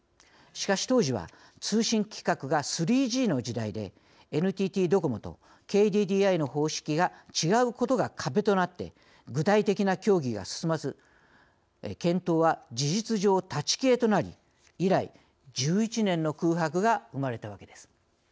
しかし、当時は通信規格が３Ｇの時代でＮＴＴドコモとＫＤＤＩの方式が違うことが壁となって具体的な協議が進まず検討は事実上、立ち消えとなり以来、１１年の空白が生まれたわけです。